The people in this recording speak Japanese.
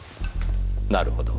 なるほど。